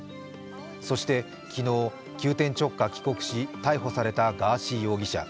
そして昨日、急転直下、帰国し、逮捕されたガーシー容疑者。